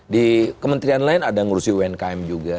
di kementerian lain ada yang ngurusi umkm juga